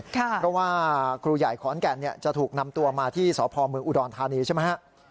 เพราะว่าครูใหญ่ขอนแก่นจะถูกนำตัวมาที่สพเมืองอุดรธานีใช่ไหมฮะ